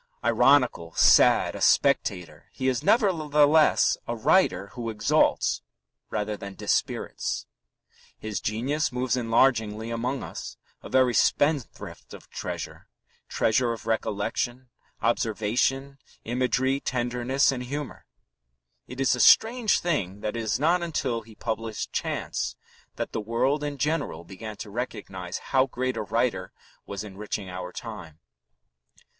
Ironical, sad, a spectator, he is nevertheless a writer who exalts rather than dispirits. His genius moves enlargingly among us, a very spendthrift of treasure treasure of recollection, observation, imagery, tenderness, and humour. It is a strange thing that it was not until he published Chance that the world in general began to recognize how great a writer was enriching our time.